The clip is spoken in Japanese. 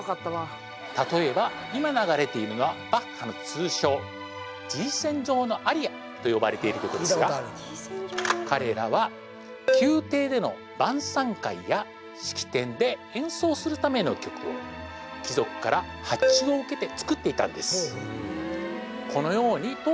例えば今流れているのはと呼ばれている曲ですが彼らは宮廷での晩餐会や式典で演奏するための曲を貴族から発注を受けて作っていたんです